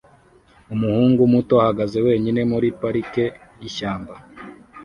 Umuhungu muto ahagaze wenyine muri parike yishyamba